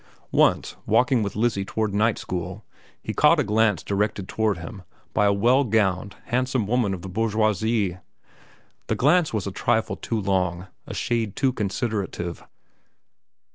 Once, walking with Lizzie toward night school, she caught a glance directed toward him by a well gowned, handsome woman of the bourgeoisie. The glance was a trifle too long, a shade too considerative.